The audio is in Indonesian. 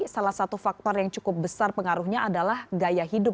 salah satu faktor yang cukup besar pengaruhnya adalah gaya hidup